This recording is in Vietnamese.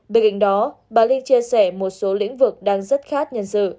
bên cạnh đó bà linh chia sẻ một số lĩnh vực đang rất khát nhân sự